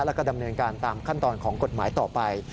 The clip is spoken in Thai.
แล้วก็ดำเนินการตามขั้นตอนของกฎหมายต่อไป